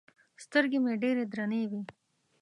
سترګې مې ډېرې درنې وې.